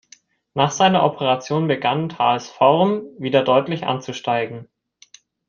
Nach seiner Operation begann Tals Form wieder deutlich anzusteigen.